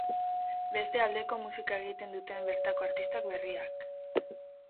Beste aldeko musika egiten duten bertako artista berriak.